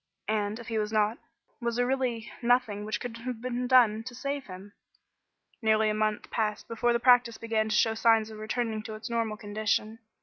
And, if he was not, was there really nothing which could have been done to save him? Nearly a month passed before the practice began to show signs of returning to its normal condition.